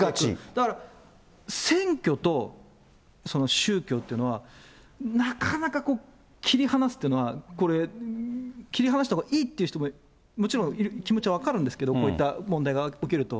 だから選挙と宗教というのは、なかなか切り離すっていうのは、これ、切り離したほうがいいという人が、気持ちは分かるんですけど、こういった問題が起きると。